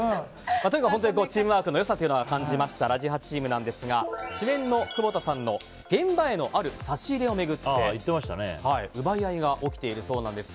とにかくチームワークの良さを感じた「ラジハ」チームですが主演の窪田さんの現場へのある差し入れを巡って奪い合いが起きているそうなんです。